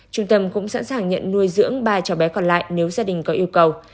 trung tâm cũng sẵn sàng nhận nuôi dưỡng ba cháu bé còn lại nếu gia đình có yêu cầu